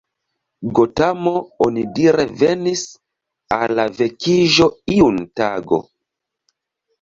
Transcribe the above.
Gotamo onidire venis al la vekiĝo iun tago.